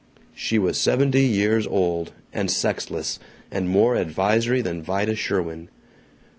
She was seventy years old, and sexless, and more advisory than Vida Sherwin.